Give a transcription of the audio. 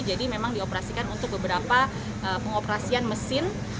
jadi memang dioperasikan untuk beberapa pengoperasian mesin